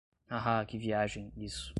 Haha, que viagem, isso.